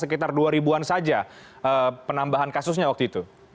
sekitar dua ribu an saja penambahan kasusnya waktu itu